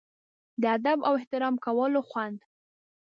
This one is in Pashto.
د ادب او احترام کولو خوند.